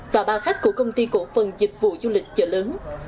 và ba khách của công ty cổ phần dịch vụ du lịch chợ lớn